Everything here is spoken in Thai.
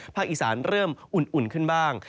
อีสานเริ่มอุ่นขึ้นบ้าง